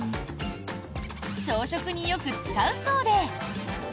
朝食によく使うそうで。